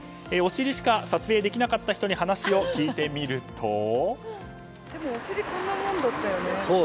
お尻しか撮影できなかった人に話を聞いてみると。